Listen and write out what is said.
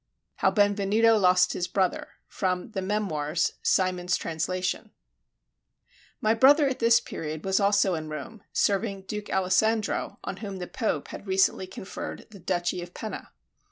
HOW BENVENUTO LOST HIS BROTHER From the 'Memoirs': Symonds's Translation My brother at this period was also in Rome, serving Duke Alessandro, on whom the Pope had recently conferred the duchy of Penna.